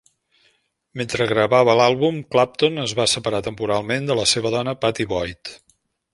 Mentre gravava l'àlbum, Clapton es va separar temporalment de la seva dona Pattie Boyd.